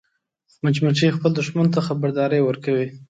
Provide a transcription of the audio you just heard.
مچمچۍ خپل دښمن ته خبرداری ورکوي